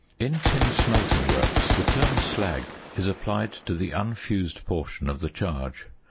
~ In tin smelting works the term "slag" is applied to the unfused portion of the charge.